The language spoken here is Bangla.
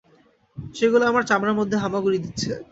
সেগুলো আমার চামড়ার মধ্যে হামাগুড়ি দিচ্ছে।